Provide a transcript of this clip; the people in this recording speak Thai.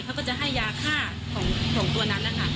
เขาก็จะให้ยาฆ่าของตัวนั้นนะคะ